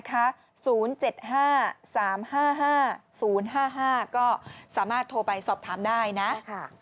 ก็สามารถโทรไปสอบถามได้นะ